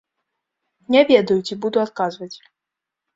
Не ведаю, ці буду адказваць.